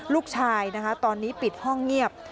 ลูกชายนะคะตอนนี้ปิดห้องเงียบ